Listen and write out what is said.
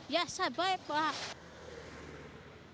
ya saya baik pak